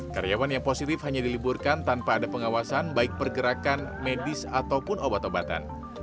karyawan yang positif hanya diliburkan tanpa ada pengawasan baik pergerakan medis ataupun obat obatan